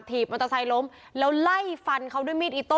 มอเตอร์ไซค์ล้มแล้วไล่ฟันเขาด้วยมีดอิโต้